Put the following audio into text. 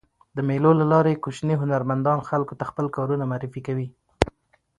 د مېلو له لاري کوچني هنرمندان خلکو ته خپل کارونه معرفي کوي.